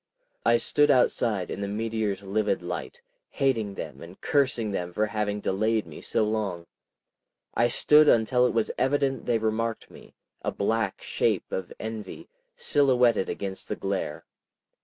I stood outside in the meteor's livid light, hating them and cursing them for having delayed me so long. I stood until it was evident they remarked me, a black shape of envy, silhouetted against the glare.